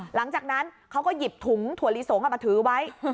หลังจากนั้นเขาก็หยิบถุงถั่วลิสงมาถือไว้